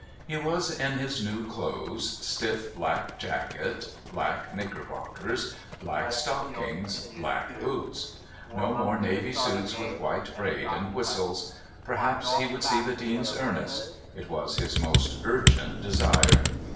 He was in his new clothes: stiff black jacket, black knickerbockers, black stockings, black boots. No more navy suits with white braid and whistles! Perhaps he would see the Dean's Ernest. It was his most urgent desire!